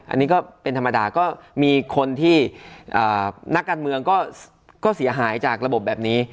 อันนี้ก็เป็นธรรมดาก็มีคนที่นักการเมืองก็เสียหายจากระบบแบบนี้